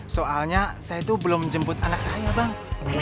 soalnya saya itu belum jemput anak saya bang